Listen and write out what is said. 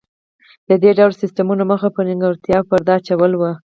د دې ډول سیستمونو موخه پر نیمګړتیاوو پرده اچول و